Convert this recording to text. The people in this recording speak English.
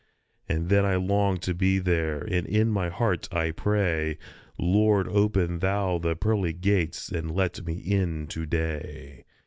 Oh, then I long to be there, and in my heart I pray, "Lord, open thou the pearly gates, and let me in to day."